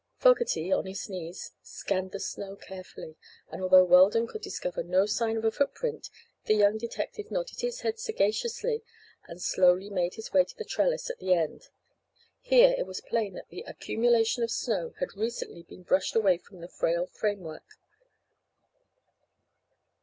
Fogerty, on his knees, scanned the snow carefully, and although Weldon could discover no sign of a footprint the young detective nodded his head sagaciously and slowly made his way to the trellis at the end. Here it was plain that the accumulation of snow had recently been brushed away from the frail framework.